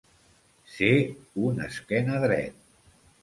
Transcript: Ser un esquenadret.